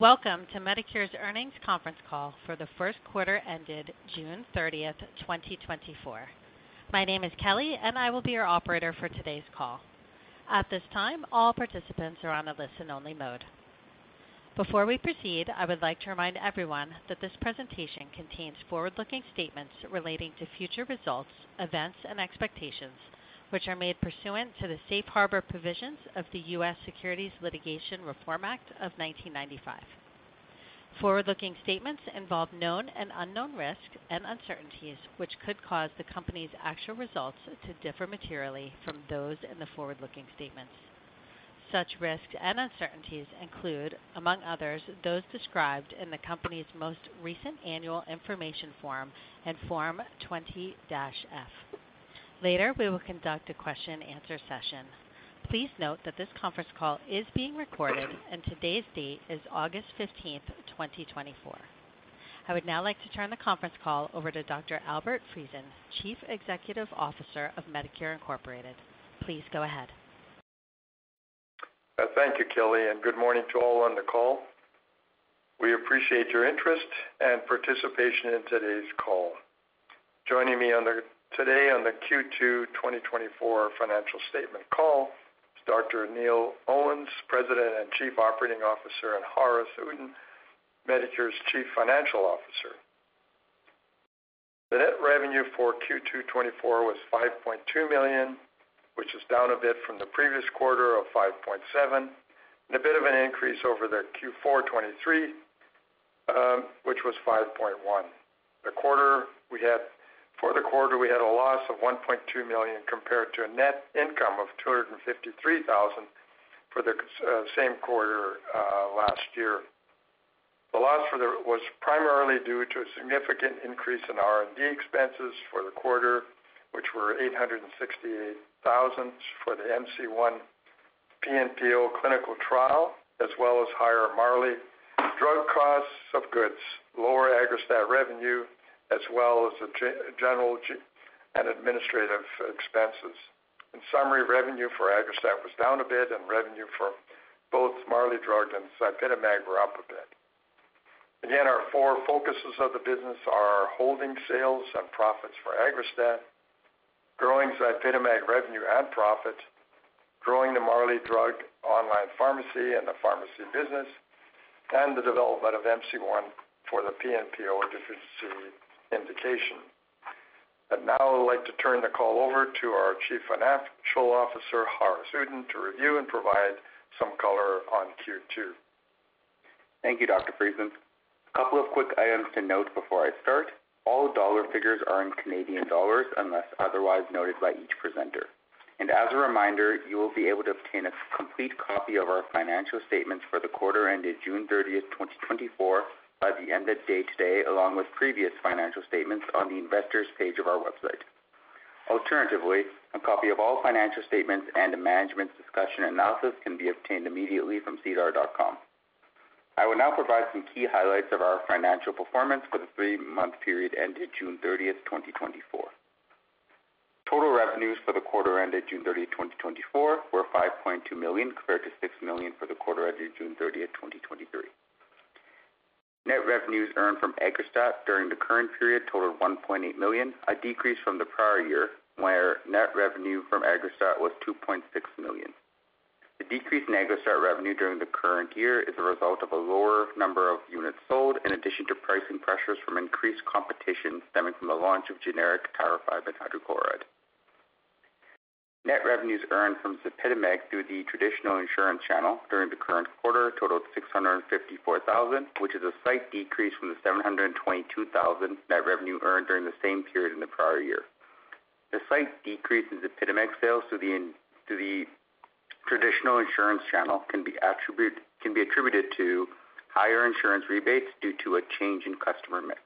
Welcome to Medicure's earnings conference call for the first quarter ended June 30, 2024. My name is Kelly and I will be your operator for today's call. At this time, all participants are on a listen-only mode. Before we proceed, I would like to remind everyone that this presentation contains forward-looking statements relating to future results, events, and expectations, which are made pursuant to the Safe Harbor Provisions of the U.S. Securities Litigation Reform Act of 1995. Forward-looking statements involve known and unknown risks and uncertainties, which could cause the company's actual results to differ materially from those in the forward-looking statements. Such risks and uncertainties include, among others, those described in the company's most recent Annual Information Form and Form 20-F. Later, we will conduct a question-and-answer session. Please note that this conference call is being recorded, and today's date is August 15, 2024. I would now like to turn the conference call over to Dr. Albert Friesen, Chief Executive Officer of Medicure Inc. Please go ahead. Thank you, Kelly, and good morning to all on the call. We appreciate your interest and participation in today's call. Joining me today on the Q2 2024 financial statement call is Dr. Neil Owens, President and Chief Operating Officer, and Haaris Uddin, Medicure's Chief Financial Officer. The net revenue for Q2 2024 was 5.2 million, which is down a bit from the previous quarter of 5.7 million, and a bit of an increase over the Q4 2023, which was 5.1 million. For the quarter, we had a loss of 1.2 million, compared to a net income of 253,000 for the same quarter last year. The loss for the was primarily due to a significant increase in R&D expenses for the quarter, which were 868,000 for the MC-1 PNPO clinical trial, as well as higher Marley Drug cost of goods, lower AGGRASTAT revenue, as well as the General and Administrative expenses. In summary, revenue for AGGRASTAT was down a bit, and revenue for both Marley Drug and ZYPITAMAG were up a bit. Again, our four focuses of the business are holding sales and profits for AGGRASTAT, growing ZYPITAMAG revenue and profit, growing the Marley Drug online pharmacy and the pharmacy business, and the development of MC-1 for the PNPO deficiency indication. But now I'd like to turn the call over to our Chief Financial Officer, Haaris Uddin, to review and provide some color on Q2. Thank you, Dr. Friesen. A couple of quick items to note before I start. All dollar figures are in Canadian dollars, unless otherwise noted by each presenter. As a reminder, you will be able to obtain a complete copy of our financial statements for the quarter ended June 30, 2024, by the end of day today, along with previous financial statements on the Investors page of our website. Alternatively, a copy of all financial statements and a management's discussion analysis can be obtained immediately from SEDAR.com. I will now provide some key highlights of our financial performance for the three-month period ended June 30, 2024. Total revenues for the quarter ended June 30, 2024, were 5.2 million, compared to 6 million for the quarter ended June 30, 2023. Net revenues earned from AGGRASTAT during the current period totaled $1.8 million, a decrease from the prior year, where net revenue from AGGRASTAT was $2.6 million. The decrease in AGGRASTAT revenue during the current year is a result of a lower number of units sold, in addition to pricing pressures from increased competition stemming from the launch of generic tirofiban hydrochloride. Net revenues earned from ZYPITAMAG through the traditional insurance channel during the current quarter totaled $654,000, which is a slight decrease from the $722,000 net revenue earned during the same period in the prior year. The slight decrease in ZYPITAMAG sales to the traditional insurance channel can be attributed to higher insurance rebates due to a change in customer mix.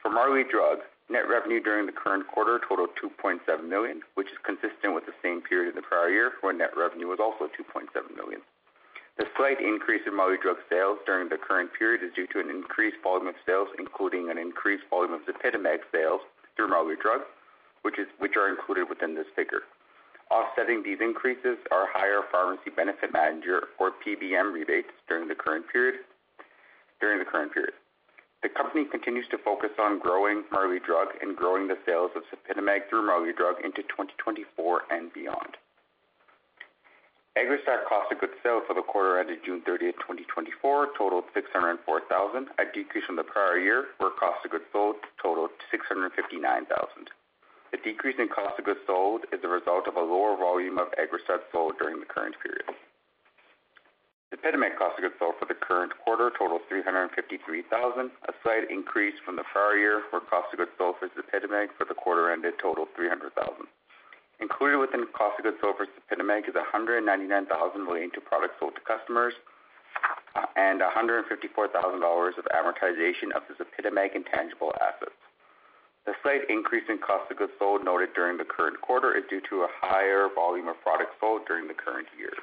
For Marley Drug, net revenue during the current quarter totaled $2.7 million, which is consistent with the same period in the prior year, where net revenue was also $2.7 million. The slight increase in Marley Drug sales during the current period is due to an increased volume of sales, including an increased volume of ZYPITAMAG sales through Marley Drug, which are included within this figure. Offsetting these increases are higher pharmacy benefit manager or PBM rebates during the current period. The company continues to focus on growing Marley Drug and growing the sales of ZYPITAMAG through Marley Drug into 2024 and beyond. AGGRASTAT cost of goods sold for the quarter ended June 30, 2024, totaled $604,000, a decrease from the prior year, where cost of goods sold totaled $659,000. The decrease in cost of goods sold is a result of a lower volume of AGGRASTAT sold during the current period. ZYPITAMAG cost of goods sold for the current quarter totaled $353,000, a slight increase from the prior year, where cost of goods sold for ZYPITAMAG for the quarter ended totaled $300,000. Included within cost of goods sold for ZYPITAMAG is $199,000 relating to products sold to customers, and $154,000 of amortization of the ZYPITAMAG intangible assets. The slight increase in cost of goods sold noted during the current quarter is due to a higher volume of products sold during the current year.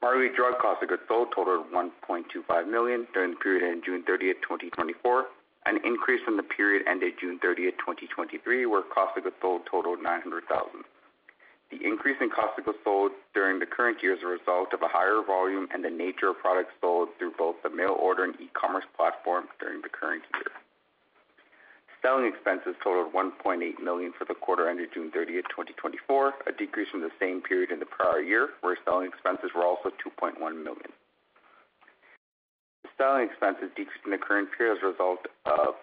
Marley Drug cost of goods sold totaled $1.25 million during the period ending June 30, 2024, an increase from the period ended June 30, 2023, where cost of goods sold totaled $900,000. The increase in cost of goods sold during the current year is a result of a higher volume and the nature of products sold through both the mail order and e-commerce platforms during the current year. Selling expenses totaled $1.8 million for the quarter ended June 30, 2024, a decrease from the same period in the prior year, where selling expenses were also $2.1 million. Selling expenses decreased in the current period as a result of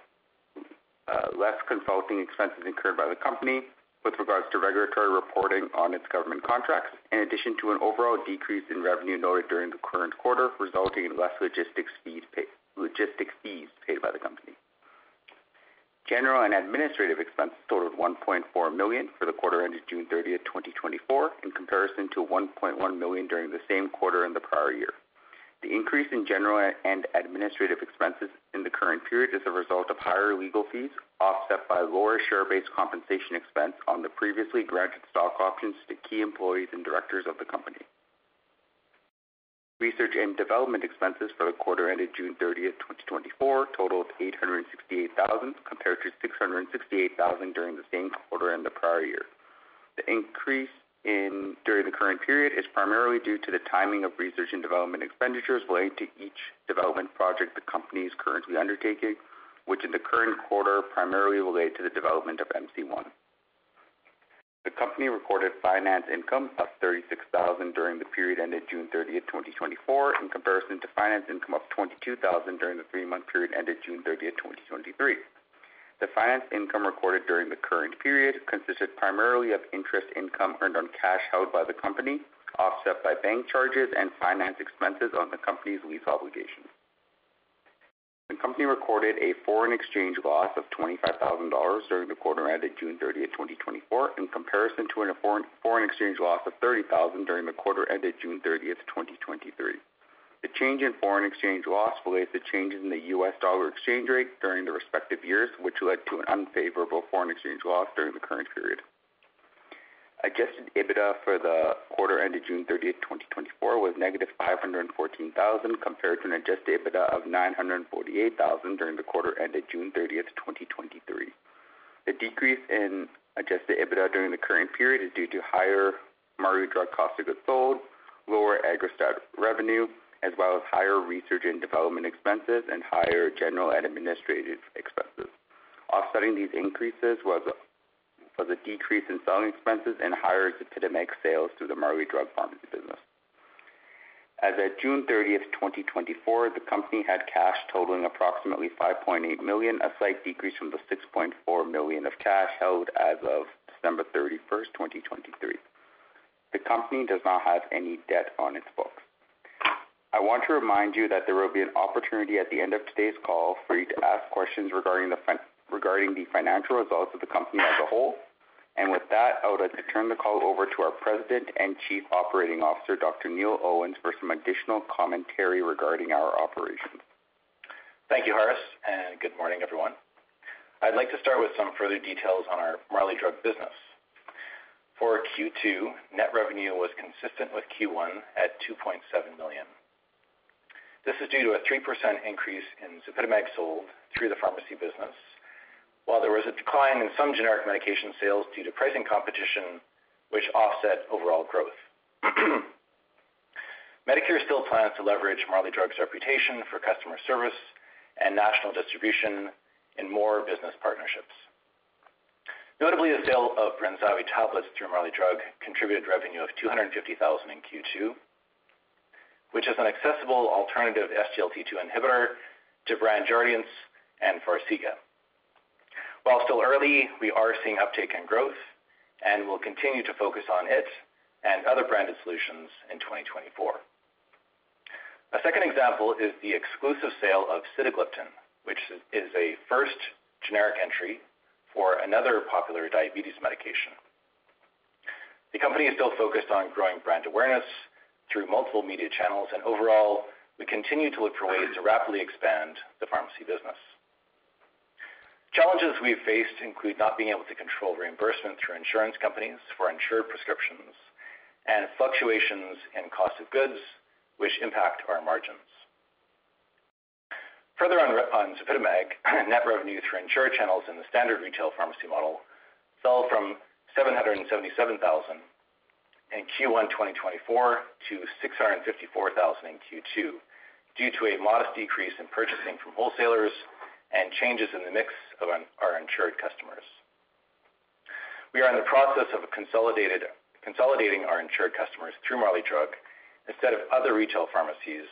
less consulting expenses incurred by the company with regards to regulatory reporting on its government contracts, in addition to an overall decrease in revenue noted during the current quarter, resulting in less logistics fees paid by the company. General and administrative expenses totaled 1.4 million for the quarter ended June 30, 2024, in comparison to 1.1 million during the same quarter in the prior year. The increase in general and administrative expenses in the current period is a result of higher legal fees, offset by lower share-based compensation expense on the previously granted stock options to key employees and directors of the company. Research and development expenses for the quarter ended June 30, 2024, totaled 868,000, compared to 668,000 during the same quarter in the prior year. The increase during the current period is primarily due to the timing of research and development expenditures related to each development project the company is currently undertaking, which in the current quarter, primarily relate to the development of MC-1. The company recorded finance income of 36,000 during the period ended June 30, 2024, in comparison to finance income of 22,000 during the three-month period ended June 30, 2023. The finance income recorded during the current period consisted primarily of interest income earned on cash held by the company, offset by bank charges and finance expenses on the company's lease obligations. The company recorded a foreign exchange loss of $25,000 during the quarter ended June 30, 2024, in comparison to a foreign exchange loss of $30,000 during the quarter ended June 30, 2023. The change in foreign exchange loss relates to changes in the US dollar exchange rate during the respective years, which led to an unfavorable foreign exchange loss during the current period. Adjusted EBITDA for the quarter ended June 30, 2024, was -$514,000, compared to an adjusted EBITDA of $948,000 during the quarter ended June 30, 2023. The decrease in adjusted EBITDA during the current period is due to higher Marley Drug cost of goods sold, lower AGGRASTAT revenue, as well as higher research and development expenses and higher general and administrative expenses. Offsetting these increases was a decrease in selling expenses and higher ZYPITAMAG sales through the Marley Drug pharmacy business. As at June 30, 2024, the company had cash totaling approximately 5.8 million, a slight decrease from the 6.4 million of cash held as of December thirty-first, 2023. The company does not have any debt on its books. I want to remind you that there will be an opportunity at the end of today's call for you to ask questions regarding the financial results of the company as a whole. With that, I would like to turn the call over to our President and Chief Operating Officer, Dr. Neil Owens, for some additional commentary regarding our operations. Thank you, Haaris, and good morning, everyone. I'd like to start with some further details on our Marley Drug business. For Q2, net revenue was consistent with Q1 at $2.7 million. This is due to a 3% increase in ZYPITAMAG sold through the pharmacy business, while there was a decline in some generic medication sales due to pricing competition, which offset overall growth. Medicure still plans to leverage Marley Drug's reputation for customer service and national distribution in more business partnerships. Notably, the sale of BRENZAVVY tablets through Marley Drug contributed revenue of $250,000 in Q2, which is an accessible alternative SGLT2 inhibitor to brand Jardiance and Farxiga. While still early, we are seeing uptake in growth, and we'll continue to focus on it and other branded solutions in 2024. A second example is the exclusive sale of sitagliptin, which is a first generic entry for another popular diabetes medication. The company is still focused on growing brand awareness through multiple media channels, and overall, we continue to look for ways to rapidly expand the pharmacy business. Challenges we've faced include not being able to control reimbursement through insurance companies for insured prescriptions and fluctuations in cost of goods, which impact our margins. Further on, on ZYPITAMAG, net revenue through insurer channels in the standard retail pharmacy model fell from 777,000 in Q1 2024 to 654,000 in Q2, due to a modest decrease in purchasing from wholesalers and changes in the mix of our uninsured customers. We are in the process of consolidating our insured customers through Marley Drug instead of other retail pharmacies,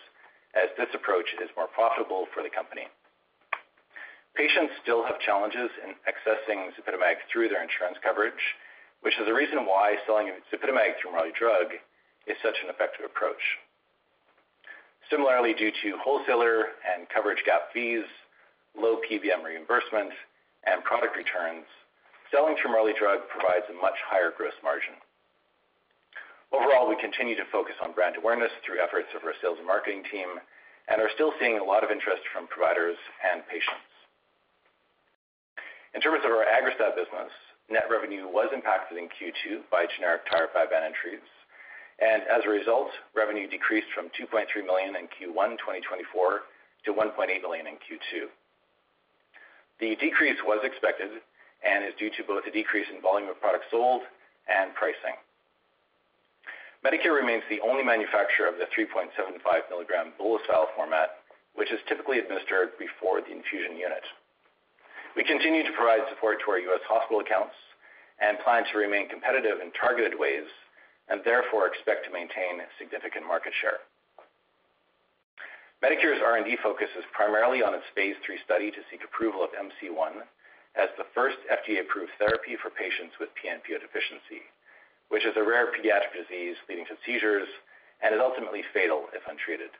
as this approach is more profitable for the company. Patients still have challenges in accessing ZYPITAMAG through their insurance coverage, which is the reason why selling ZYPITAMAG through Marley Drug is such an effective approach. Similarly, due to wholesaler and coverage gap fees, low PBM reimbursement, and product returns, selling through Marley Drug provides a much higher gross margin. Overall, we continue to focus on brand awareness through efforts of our sales and marketing team and are still seeing a lot of interest from providers and patients. In terms of our AGGRASTAT business, net revenue was impacted in Q2 by generic tirofiban entries, and as a result, revenue decreased from $2.3 million in Q1 2024 to $1.8 million in Q2. The decrease was expected and is due to both a decrease in volume of products sold and pricing. Medicure remains the only manufacturer of the 3.75 milligram bolus style format, which is typically administered before the infusion unit. We continue to provide support to our U.S. hospital accounts and plan to remain competitive in targeted ways, and therefore expect to maintain significant market share. Medicure's R&D focus is primarily on its phase 3 study to seek approval of MC-1 as the first FDA-approved therapy for patients with PNPO deficiency, which is a rare pediatric disease leading to seizures and is ultimately fatal if untreated.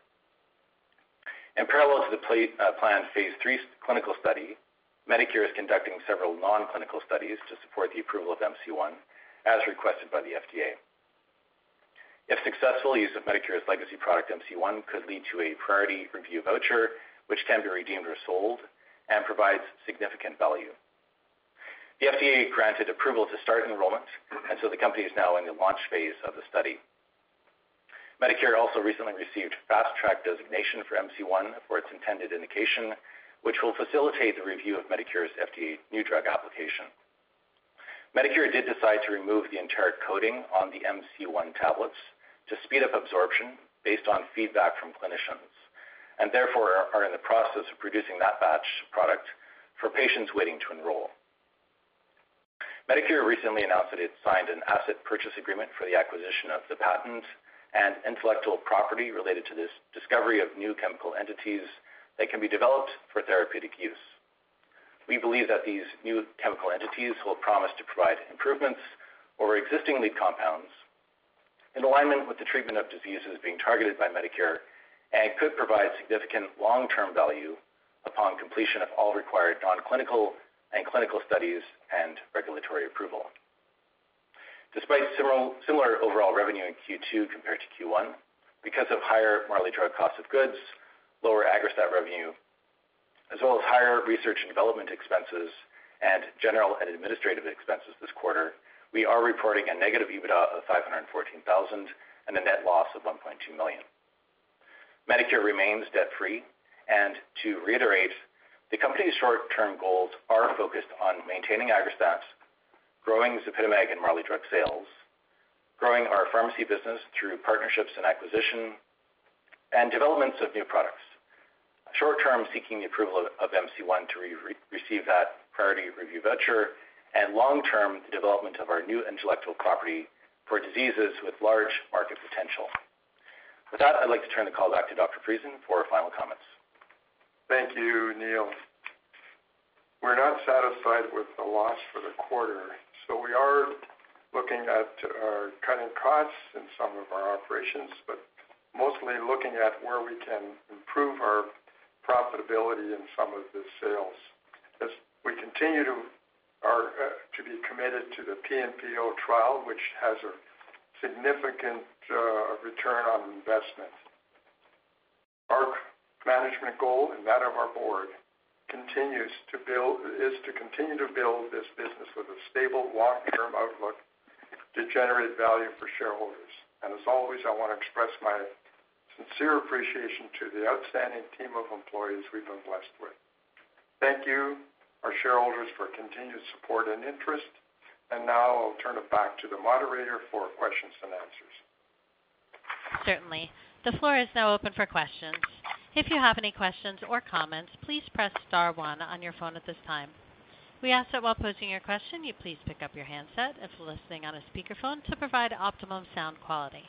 In parallel to the planned phase 3 clinical study, Medicure is conducting several non-clinical studies to support the approval of MC-1, as requested by the FDA. If successful, use of Medicure's legacy product, MC-1, could lead to a Priority Review Voucher, which can be redeemed or sold and provides significant value. The FDA granted approval to start enrollment, and so the company is now in the launch phase of the study. Medicure also recently received Fast Track designation for MC-1 for its intended indication, which will facilitate the review of Medicure's FDA New Drug Application. Medicure did decide to remove the enteric coating on the MC-1 tablets to speed up absorption based on feedback from clinicians, and therefore are in the process of producing that batch product for patients waiting to enroll. Medicure recently announced that it signed an asset purchase agreement for the acquisition of the patent and intellectual property related to this discovery of new chemical entities that can be developed for therapeutic use. We believe that these new chemical entities will promise to provide improvements over existing lead compounds in alignment with the treatment of diseases being targeted by Medicure, and could provide significant long-term value upon completion of all required non-clinical and clinical studies and regulatory approval. Despite similar overall revenue in Q2 compared to Q1, because of higher Marley Drug costs of goods, lower AGGRASTAT revenue, as well as higher research and development expenses and general and administrative expenses this quarter, we are reporting a negative EBITDA of 514,000 and a net loss of 1.2 million. Medicure remains debt-free, and to reiterate, the company's short-term goals are focused on maintaining AGGRASTAT, growing ZYPITAMAG and Marley Drug sales, growing our pharmacy business through partnerships and acquisition, and developments of new products. Short term, seeking the approval of MC-1 to receive that Priority Review Voucher, and long term, the development of our new intellectual property for diseases with large market potential. With that, I'd like to turn the call back to Dr. Friesen for final comments. Thank you, Neil. We're not satisfied with the loss for the quarter, so we are looking at cutting costs in some of our operations, but mostly looking at where we can improve our profitability in some of the sales. As we continue to be committed to the PNPO trial, which has a significant return on investment. Our management goal, and that of our board, is to continue to build this business with a stable, long-term outlook to generate value for shareholders. And as always, I want to express my sincere appreciation to the outstanding team of employees we've been blessed with. Thank you, our shareholders, for your continued support and interest. And now I'll turn it back to the moderator for questions and answers. Certainly. The floor is now open for questions. If you have any questions or comments, please press star one on your phone at this time. We ask that while posing your question, you please pick up your handset if listening on a speakerphone to provide optimum sound quality.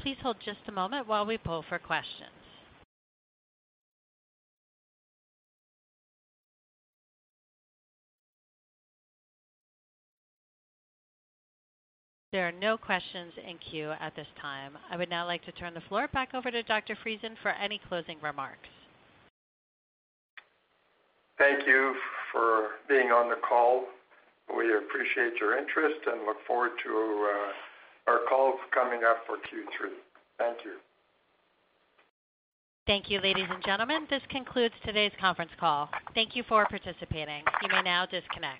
Please hold just a moment while we poll for questions. There are no questions in queue at this time. I would now like to turn the floor back over to Dr. Friesen for any closing remarks. Thank you for being on the call. We appreciate your interest and look forward to our calls coming up for Q3. Thank you. Thank you, ladies and gentlemen. This concludes today's conference call. Thank you for participating. You may now disconnect.